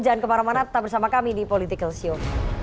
jangan kemana mana tetap bersama kami di political show